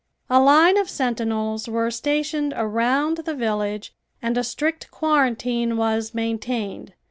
A line of sentinels were stationed around the village and a strict quarantine was maintained.